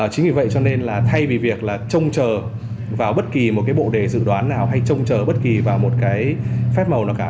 chính vì vậy cho nên là thay vì việc là trông chờ vào bất kỳ một cái bộ đề dự đoán nào hay trông chờ bất kỳ vào một cái phép màu nào cả